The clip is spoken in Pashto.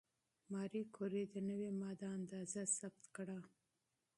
ماري کوري د نوې ماده اندازه ثبت کړه.